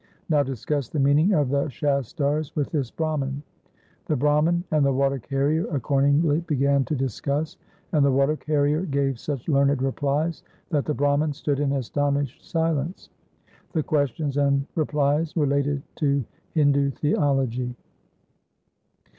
Now discuss the meaning of the Shastars with this Brahman.' The Brahman and the water carrier accordingly began to discuss, and the water carrier gave such learned replies, that the Brahman stood in astonished silence. The questions and replies related to Hindu theology.